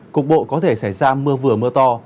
cục bộ có thể xảy ra mưa vừa mưa to